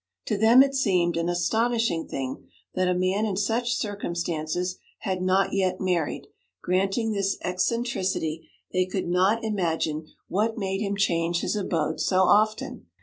To them it seemed an astonishing thing that a man in such circumstances had not yet married; granting this eccentricity, they could not imagine what made him change his abode so often.